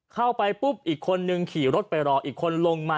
เข้าไปปุ๊บอีกคนนึงขี่รถไปรออีกคนลงมา